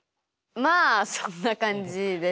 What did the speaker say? まあそんな感じです。